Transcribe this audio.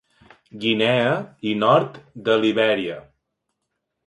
Guinea i nord de Libèria.